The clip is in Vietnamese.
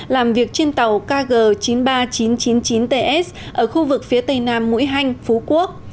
làm việc trên tàu kg chín mươi ba nghìn chín trăm chín mươi chín ts ở khu vực phía tây nam mũi hanh phú quốc